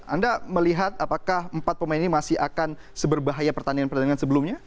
anda melihat apakah empat pemain ini masih akan seberbahaya pertandingan pertandingan sebelumnya